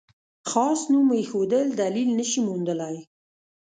خاص نوم ایښودل دلیل نه شي موندلای.